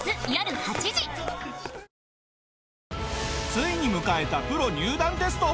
ついに迎えたプロ入団テスト。